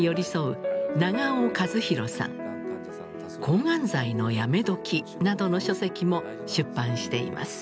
「抗がん剤のやめどき」などの書籍も出版しています。